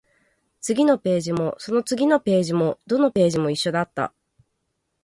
次のページも、その次のページも、どのページも一緒だった